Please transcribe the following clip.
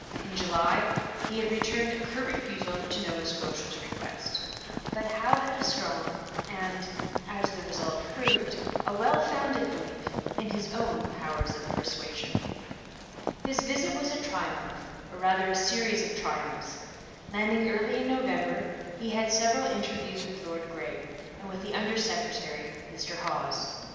In July he had returned a curt refusal to Nova Scotia's request. But Howe had a strong and, as the result proved, a well founded belief in his own powers of persuasion. His visit was a triumph, or rather a series of triumphs. Landing early in November, he had several interviews with Lord Grey, and with the under secretary, Mr Hawes.